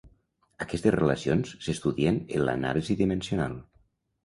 Aquestes relacions s'estudien en l'anàlisi dimensional.